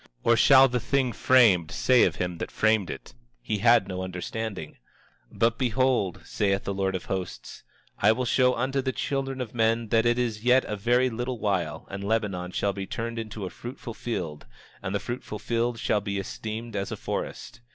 Or shall the thing framed say of him that framed it, he had no understanding? 27:28 But behold, saith the Lord of Hosts: I will show unto the children of men that it is yet a very little while and Lebanon shall be turned into a fruitful field; and the fruitful field shall be esteemed as a forest.